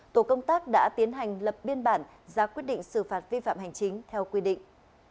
tổ công tác đã tiến hành lập biên bản ra quyết định xử phạt vi phạm hành chính theo quy định